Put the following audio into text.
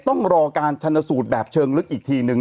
ต้องรอการชนสูตรแบบเชิงลึกอีกทีนึง